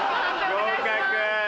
合格。